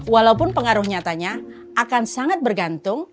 walaupun pengaruh nyatanya akan sangat bergantung